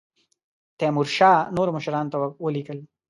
تیمورشاه نورو مشرانو ته ولیکل.